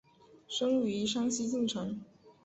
生于山西晋城。